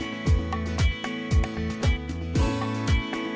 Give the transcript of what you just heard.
อาคาร